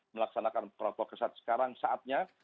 melaksanakan protoksel sekarang saatnya